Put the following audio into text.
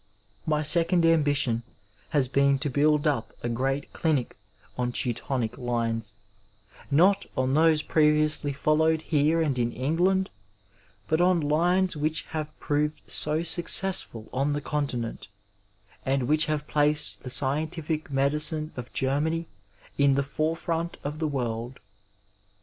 My second ambition has been to build up a great clinic on Teutonic lines, not on those previously followed here and in England, but on lines which have proved so success ful on the Continent, and which have placed the scientific medicine of Germany in the forefront of the world.